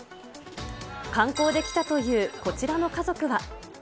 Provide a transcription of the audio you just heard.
観光で来たというこちらの家族は。